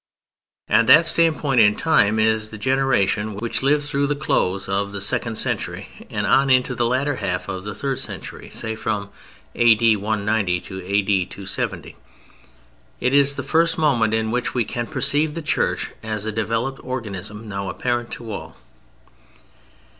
And that standpoint in time is the generation which lived through the close of the second century and on into the latter half of the third century: say from A.D. 190 to A.D. 270. It is the first moment in which we can perceive the Church as a developed organism now apparent to all.